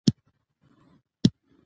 داسې هېواد چې هر وګړی پکې خوشحاله وي.